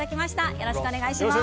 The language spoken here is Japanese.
よろしくお願いします。